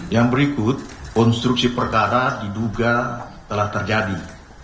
yang berikut konstruksi perkara diduga telah terjadi